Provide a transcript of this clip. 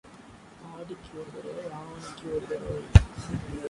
ஆடிக்கு ஒரு தடவை, ஆவணிக்கு ஒரு தடவை.